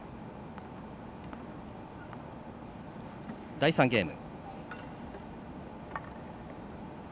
第３ゲーム。